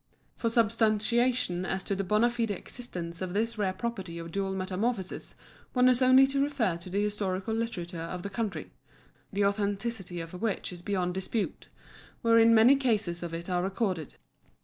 For substantiation as to the bona fide existence of this rare property of dual metamorphosis one has only to refer to the historical literature of the country (the authenticity of which is beyond dispute), wherein many cases of it are recorded.